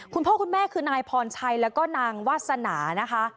คุณพ่อคุณแม่คือนายพรชัยแล้วก็นางวาสนานะคะ